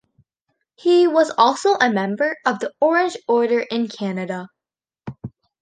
He was also a member of the Orange Order in Canada.